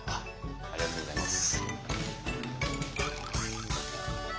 ありがとうございます。